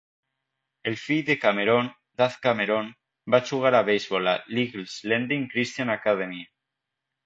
El fill de Cameron, Daz Cameron, va jugar a beisbol a l'Eagle's Landing Christian Academy.